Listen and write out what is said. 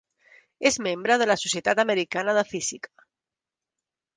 És membre de la Societat Americana de Física.